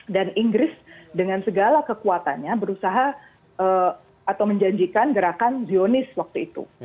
dan inggris dengan segala kekuatannya berusaha atau menjanjikan gerakan zionis waktu itu